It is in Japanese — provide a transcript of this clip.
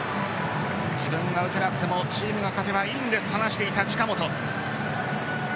自分が打てなくてもチームが勝てばいいんですと話していた近本。